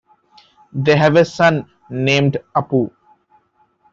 They have a son named Appu.